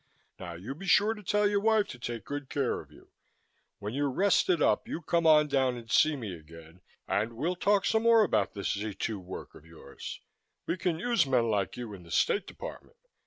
Now you be sure to tell your wife to take good care of you. When you're rested up, you come on down and see me again and we'll talk some more about this Z 2 work of yours. We can use men like you in the State Department.